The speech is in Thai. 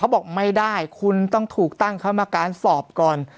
บอกไม่ได้คุณต้องถูกตั้งคำการสอบก่อน